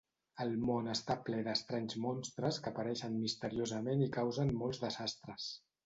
El món està ple d'estranys monstres que apareixen misteriosament i causen molts desastres.